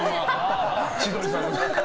千鳥さんの。